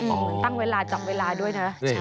อ๋อตั้งเวลาจับเวลาด้วยนะ